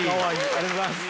ありがとうございます！